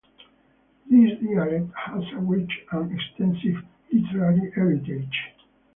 This dialect has a rich and extensive literary heritage.